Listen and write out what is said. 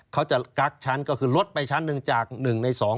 เขาจะกักชั้นก็คือลดไปชั้นหนึ่งจากหนึ่งในสอง